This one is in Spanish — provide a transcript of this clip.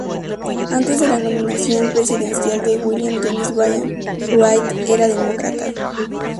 Antes de la nominación presidencial de William Jennings Bryan, Wright era demócrata.